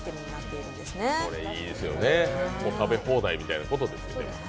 いいですね、食べ放題みたいなことですね。